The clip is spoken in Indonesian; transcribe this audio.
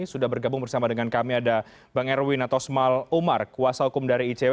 sudah bergabung bersama dengan kami ada bang erwin atau smal umar kuasa hukum dari icw